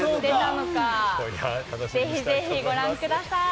ぜひぜひご覧ください。